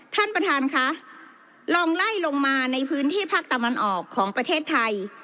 ท่านประธานค่ะลองไล่ลงมาในพื้นที่ภาคตะวันออกของประเทศไทย